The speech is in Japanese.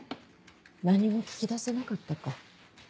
何も聞き出せなかったか。